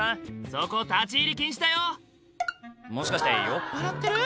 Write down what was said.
そこ立ち入り禁止だよもしかして酔っぱらってる？